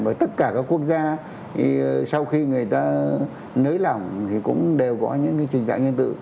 và tất cả các quốc gia sau khi người ta nới lỏng thì cũng đều có những cái trình trạng nhân tự